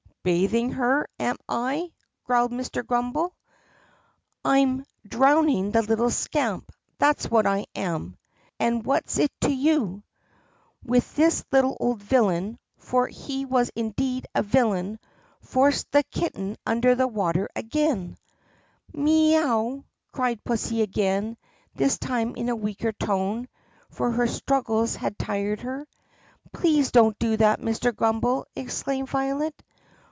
"Bathing her, am I?" growled Mr. Grummbel. "I'm 6 THE PUSSYCAT PRINCESS drowning the little scamp, that 's what I am ! And what 's it to you 4 ?" With this the old villain — for he was indeed a vil lain — forced the kitten under the water again. "Mee 'ow!" cried pussy again, this time in a weaker tone, for her struggles had tired her. "Please don't do that, Mr. Grummbel!" exclaimed Violet.